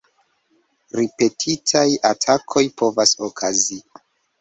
Ripetitaj atakoj povas okazi.